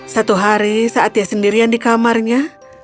satu hari saat dia sendirian di kamarnya